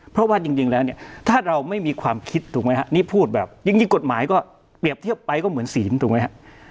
เพราะว่าจริงแล้วเนี่ยถ้าเราไม่มีความคิดถูกไหมฮะนี่พูดแบบจริงกฎหมายก็เปรียบเทียบไปก็เหมือนศีลถูกไหมฮะ